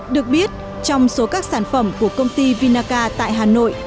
được biết trong số các sản phẩm của công ty vinaca tại hà nội